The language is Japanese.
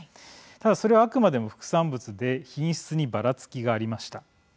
ただ、それはあくまでも副産物で品質にばらつきがありました。